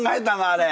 あれ。